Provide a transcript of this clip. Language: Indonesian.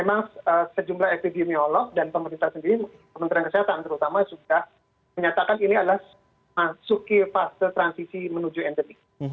memang sejumlah epidemiolog dan pemerintah sendiri kementerian kesehatan terutama sudah menyatakan ini adalah masuki fase transisi menuju endemik